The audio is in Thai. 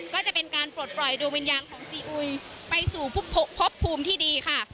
ก็จะเป็นการปลดปล่อยดวงวิญญาณของซีอุยไปสู่พบภูมิที่ดีค่ะ